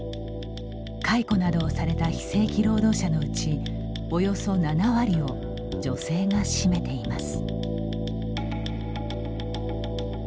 解雇などをされた非正規労働者のうちおよそ７割を女性が占めています。